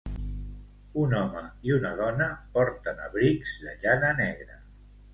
Un home i una dona porten abrics de llana negra.